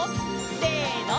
せの！